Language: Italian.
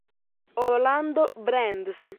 Orlando Brandes